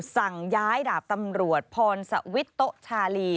สั่งย้ายดาบตำรวจพรสวิทย์โต๊ะชาลี